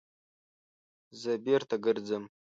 _زه بېرته ګرځم.